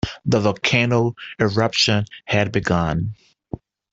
The volcano eruption had begun.